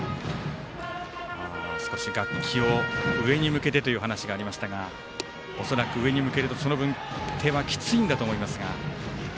少し楽器を上に向けてという話がありましたが恐らく上に向けるとその分、手はきついんだと思いますが。